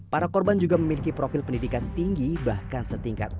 para korban juga memiliki profil pendidikan tinggi bahkan setingkat s dua dan s tiga